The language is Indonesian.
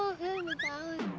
oh iya makasih ya